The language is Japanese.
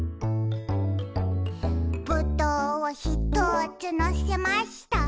「ぶどうをひとつのせました」